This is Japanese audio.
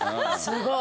すごい。